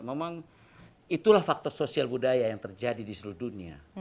memang itulah faktor sosial budaya yang terjadi di seluruh dunia